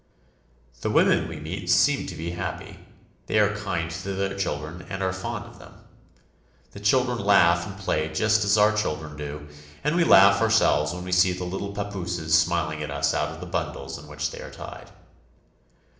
The women we meet seem to be happy. They are kind to their children and are fond of them. The children laugh and play just as our children do, and we laugh ourselves when we see the little papooses smiling at us out of the bundles in which they are tied.